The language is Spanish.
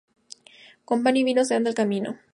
Con pan y vino se anda el camino